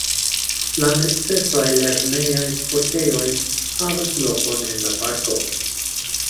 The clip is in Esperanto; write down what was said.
La necesaj lernejaj sportejoj havas lokon en la parko.